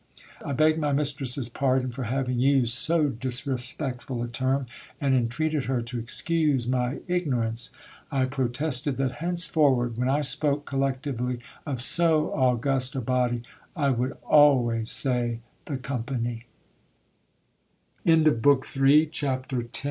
I begged my mis tress's pardon for having used so disrespectful a term, and entreated her to excuse my ignorance. I protested that henceforward, when I spoke collectively of so august a body, I would always say t